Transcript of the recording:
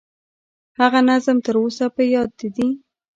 هغه نظم تر اوسه په یاد دي.